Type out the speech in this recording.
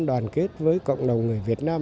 đoàn kết với cộng đồng người việt nam